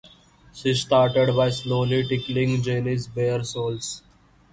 She started by slowly tickling Jenny's bare soles.